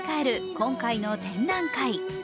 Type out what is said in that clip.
今回の展覧会。